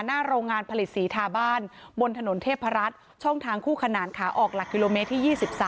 โรงงานผลิตสีทาบ้านบนถนนเทพรัฐช่องทางคู่ขนานขาออกหลักกิโลเมตรที่๒๓